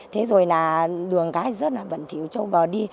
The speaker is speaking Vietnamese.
thế rồi là đường cái rất là bẩn thiếu cho bà đi